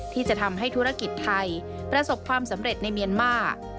ที่จะทำให้ธุรกิจไทยประสบความสำเร็จในเมียนมาร์